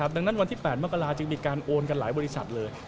ดังนั้นวันที่๘มกราจึงมีการโอนกันหลายบริษัทเลย